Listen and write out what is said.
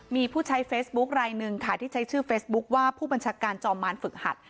มีผู้ใช้เฟซบุ๊คลายหนึ่งค่ะที่ใช้ชื่อเฟซบุ๊คว่าผู้บัญชาการจอมมารฝึกหัด